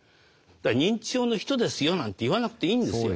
認知症の人ですよなんて言わなくていいんですよ。